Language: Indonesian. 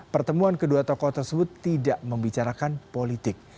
pertemuan kedua tokoh tersebut tidak membicarakan politik